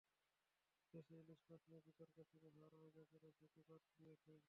দেশে ইলিশ মাছ নিয়ে বিতর্ক শুরু হওয়ায় আয়োজকেরা সেটি বাদ দিয়েছেন।